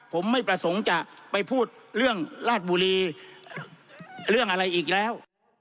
ผมไม่ประสงค์จะไปพูดเรื่องราชบุรีเรื่องอะไรอีกแล้ว